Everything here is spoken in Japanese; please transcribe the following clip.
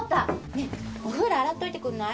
ねえお風呂洗っといてくんない？